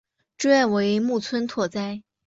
主演为木村拓哉。